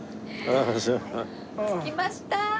着きました！